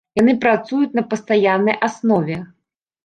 Яны працуюць на пастаяннай аснове.